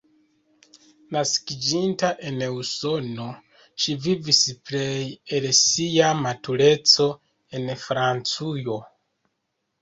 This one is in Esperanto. Naskiĝinta en Usono, ŝi vivis plej el sia matureco en Francujo.